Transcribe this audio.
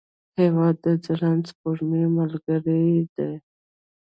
هېواد د ځلانده سپوږمۍ ملګری دی.